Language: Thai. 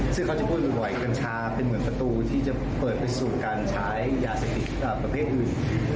ซึ่งเขาจะพูดบ่อยกัญชาเป็นเหมือนประตูที่จะเปิดไปสู่การใช้ยาเสพติดประเภทอื่น